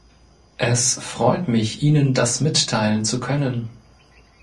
Es freut mich, Ihnen das mitteilen zu können.